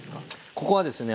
ここはですね